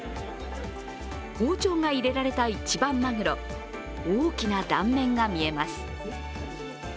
包丁が入れられた一番まぐろ大きな断面が見えます。